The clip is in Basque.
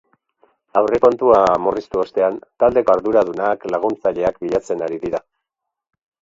Aurrekontua murriztu ostean, taldeko arduradunak laguntzaileak bilatzen ari dira.